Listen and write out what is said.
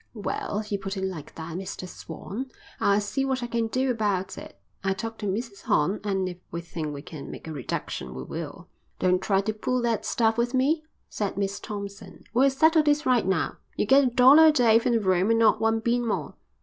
"Well, if you put it like that, Mr Swan, I'll see what I can do about it. I'll talk to Mrs Horn and if we think we can make a reduction we will." "Don't try to pull that stuff with me," said Miss Thompson. "We'll settle this right now. You get a dollar a day for the room and not one bean more."